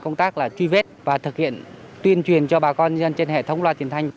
công tác là truy vết và thực hiện tuyên truyền cho bà con dân trên hệ thống loa truyền thanh